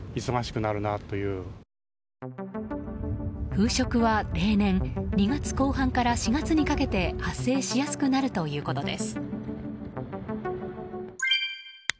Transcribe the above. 風食は例年２月後半から４月にかけて発生しやすくなるということです。